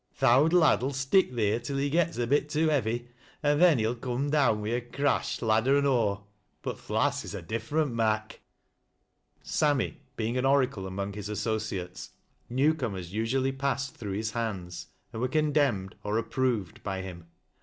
Th' owd lad '11 stick theer till he gets a bit too heavy, an' then he'll coom down wi' a crash ladder an' aw' — but th' lass is a different mak'." Sammy being an oracle among his associates, new cornel's usually passed through his hands, and were condemned, or approved, by him.